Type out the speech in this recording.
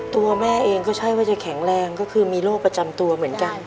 ตัวแม่เองก็ใช่ว่าจะแข็งแรงก็คือมีโรคประจำตัวเหมือนกัน